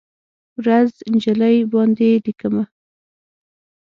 ورځ، نجلۍ باندې لیکمه